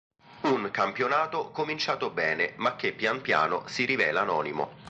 Un campionato cominciato bene ma che pian piano si rivela anonimo.